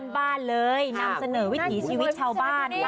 บ้านเลยนำเสนอวิถีชีวิตชาวบ้าน